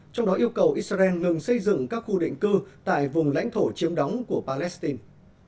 trong đó yêu cầu israel ngừng xây dựng các khu định cư tại vùng lãnh thổ chiếm đóng của palestine